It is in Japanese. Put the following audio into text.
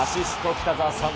北澤さん。